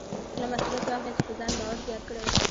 خپله مسوليت واخلئ چې په ځان باور زیات کړئ.